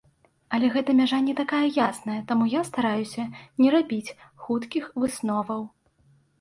Але гэта мяжа не такая ясная, таму я стараюся не рабіць хуткіх высноваў.